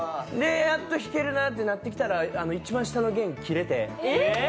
やっと弾けるなってやってきたら、一番下の弦が切れて。